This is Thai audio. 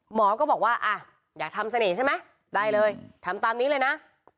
หมอก็บอกว่าอ่ะอยากทำเสน่ห์ใช่ไหมได้เลยทำตามนี้เลยนะ